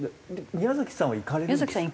宮崎さんは行かれるんですか？